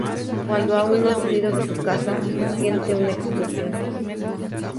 Cuando aún no ha salido de su casa, siente una explosión.